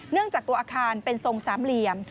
จากตัวอาคารเป็นทรงสามเหลี่ยม